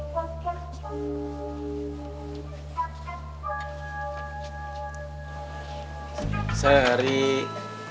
boleh tanya gak